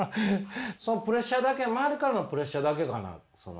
プレッシャーだけ周りからのプレッシャーだけかな？